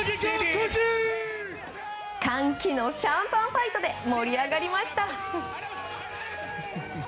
歓喜のシャンパンファイトで盛り上がりました。